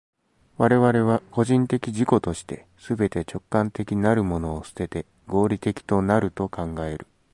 我々は個人的自己として、すべて直観的なるものを棄てて、合理的となると考える。